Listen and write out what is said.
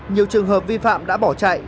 nhiều trường hợp vi phạm đã bỏ chạy